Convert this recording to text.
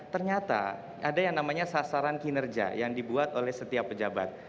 ternyata ada yang namanya sasaran kinerja yang dibuat oleh setiap pejabat